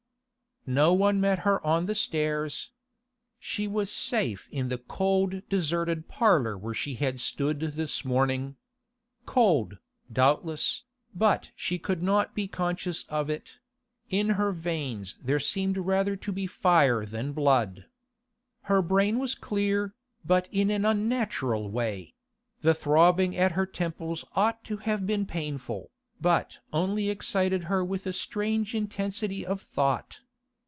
No one met her on the stairs. She was safe in the cold deserted parlour where she had stood this morning. Cold, doubtless, but she could not be conscious of it; in her veins there seemed rather to be fire than blood. Her brain was clear, but in an unnatural way; the throbbing at her temples ought to have been painful, but only excited her with a strange intensity of thought.